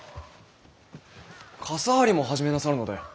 傘張りも始めなさるので？